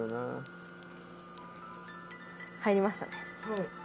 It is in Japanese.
入りましたね。